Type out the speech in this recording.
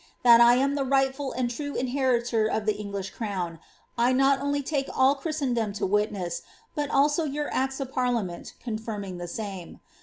That I am the rightful and true inheritor of the English crown, I uot only take all Christendom to witness, but also your acts of parliament con finning the same.